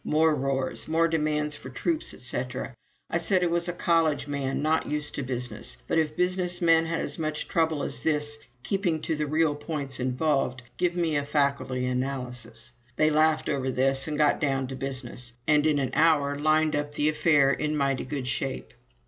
More roars. More demands for troops, etc. I said I was a college man, not used to business; but if business men had as much trouble as this keeping to the real points involved, give me a faculty analysis. They laughed over this and got down to business, and in an hour lined up the affair in mighty good shape."